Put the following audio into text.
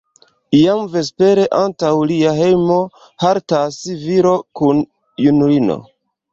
Iam vespere, antaŭ lia hejmo haltas viro kun junulino.